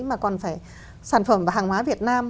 mà còn phải sản phẩm và hàng hóa việt nam